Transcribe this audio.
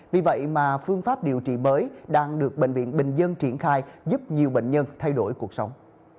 vì vậy mà phương pháp điều trị mới đang được bệnh viện bình dân triển khai giúp nhiều bệnh nhân thay đổi cuộc sống